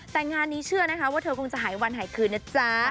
แต่งานนี้เชื่อนะคะว่าเธอคงจะหายวันหายคืนนะจ๊ะ